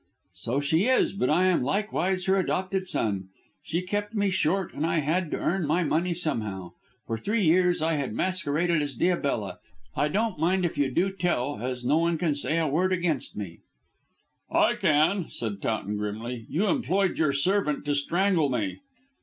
"So she is, but I am likewise her adopted son. She kept me short, and I had to earn my money somehow. For three years I have masqueraded as Diabella, and, although I don't want it known, I don't mind if you do tell, as no one can say a word against me." "I can," said Towton grimly. "You employed your servant to strangle me."